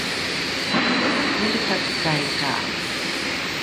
molekatekai ka